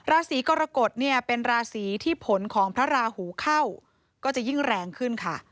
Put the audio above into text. ราศีกรกฎเนี่ยเป็นราศีที่ผลของพระราหูเข้าก็จะยิ่งแรงขึ้นค่ะ